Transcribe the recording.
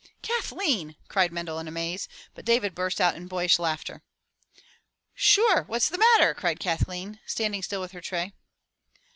"Kathleen!" cried Mendel in amaze, but David burst out into boyish laughter. "Sure, what's the matter?" cried Kathleen standing still with her tray.